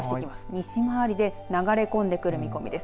西回りで流れ込んでくる見込みです。